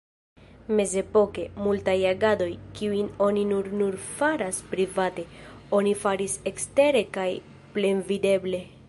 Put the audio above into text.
Mezepoke, multaj agadoj, kiujn oni nun nur faras private, oni faris ekstere kaj plenvideble.